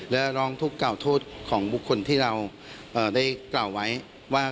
และร้องทุกข์กล่าวโทษของบุคคลที่เราได้กล่าวไว้ว่า